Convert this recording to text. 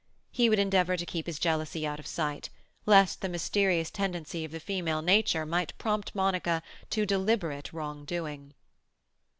He would endeavour to keep his jealousy out of sight, lest the mysterious tendency of the female nature might prompt Monica to deliberate wrongdoing.